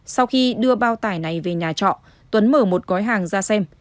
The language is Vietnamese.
sau khi đưa bao tải này về nhà trọ tuấn mở một gói hàng ra xem